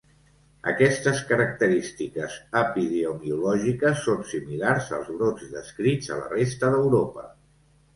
Aquestes característiques epidemiològiques són similars als brots descrits a la resta d'Europa.